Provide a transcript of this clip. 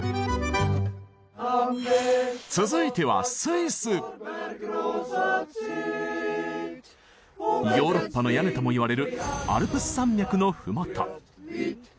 続いてはヨーロッパの屋根ともいわれるアルプス山脈の麓。